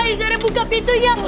aizara buka pintunya